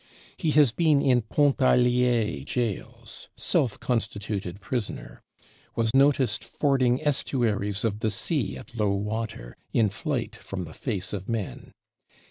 He has been in Pontarlier Jails (self constituted prisoner); was noticed fording estuaries of the sea (at low water), in flight from the face of men.